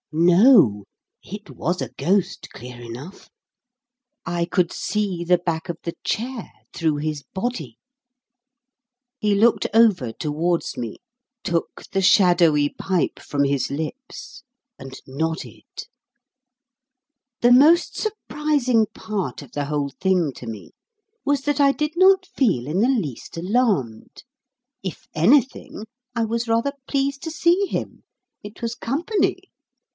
No! It was a ghost, clear enough. I could see the back of the chair through his body. He looked over towards me, took the shadowy pipe from his lips, and nodded. The most surprising part of the whole thing to me was that I did not feel in the least alarmed. If anything, I was rather pleased to see him. It was company.